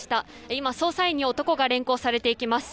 今、捜査員に男が連行されていきます。